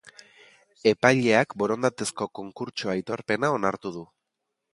Epaileak borondatezko konkurtso aitorpena onartu du.